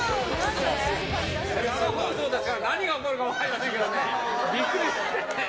生放送ですから、何が起こるか分かりませんけどね、びっくり。